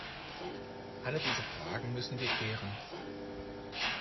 Alle diese Fragen müssen wir klären.